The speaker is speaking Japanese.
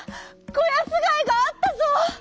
こやすがいがあったぞ！」。